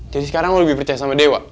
jadi sekarang lo lebih percaya sama dewa